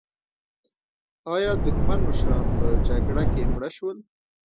ایا دښمن مشران په جګړه کې مړه شول؟